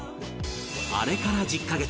あれから１０カ月